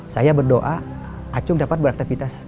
saya berdoa acung dapat beraktivitas